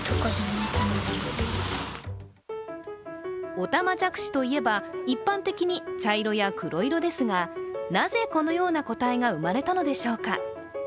おたまじゃくしといえば、一般的に茶色や黒色ですがなぜ、このような個体が生まれたのでしょうか。